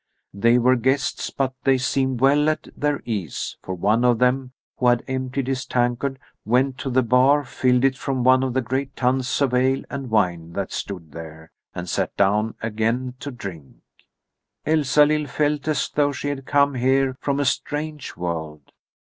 They were guests, but they seemed well at their ease, for one of them, who had emptied his tankard, went to the bar, filled it from one of the great tuns of ale and wine that stood there, and sat down again to drink. Elsalill felt as though she had come here from a strange world.